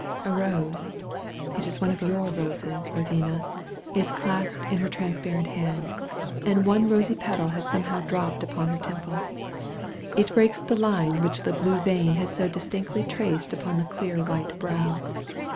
A rose it is one of your roses, Rosina is clasped in her transparent hand: and one rosy pedal has somehow dropped upon her temple. It breaks the line which the blue vein has so distinctly traced on the clear white brow.